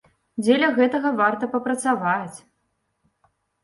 Дзеля гэтага варта папрацаваць!